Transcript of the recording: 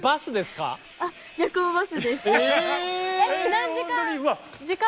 何時間？